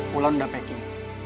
mulan udah packing